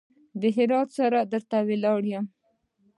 د هراتۍ سره در ته ولاړ يم.